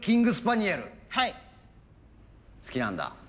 好きなんだ？